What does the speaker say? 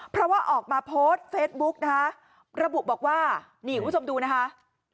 เพราะว่าออกมาโพสต์เฟซบุ๊กนะคะระบุบอกว่านี่คุณผู้ชมดูนะคะ